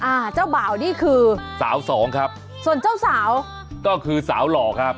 อ่าเจ้าบ่าวนี่คือสาวสองครับส่วนเจ้าสาวก็คือสาวหล่อครับ